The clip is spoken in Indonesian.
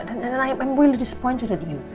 dan aku sangat kecewa dengan kamu